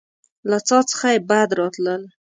له څاه څخه يې بد راتلل.